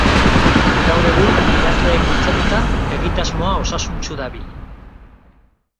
Gaur egun, idazleek bultzatuta, egitasmoa osasuntsu dabil.